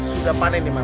sudah panen nih mam